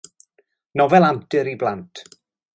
Nofel antur i blant.